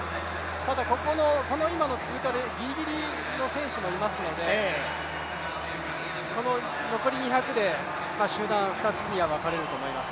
ただこの今の通過でギリギリの選手もいますのでこの残り２００で集団２つに分かれると思います。